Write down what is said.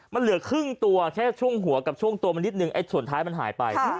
มันเหลือครึ่งตัวแค่ช่วงหัวกับช่วงตัวมันนิดนึงส่วนท้ายมันหายไป